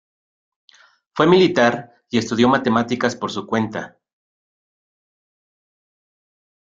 Fue militar y estudió matemáticas por su cuenta.